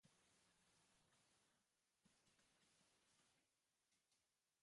Teoria argi dago, baina praktika ez hainbeste.